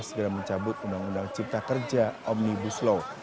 segera mencabut undang undang cipta kerja omnibus law